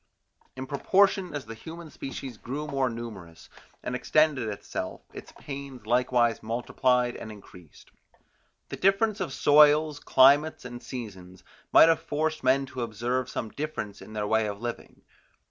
In proportion as the human species grew more numerous, and extended itself, its pains likewise multiplied and increased. The difference of soils, climates and seasons, might have forced men to observe some difference in their way of living.